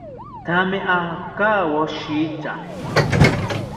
Thame akawoshita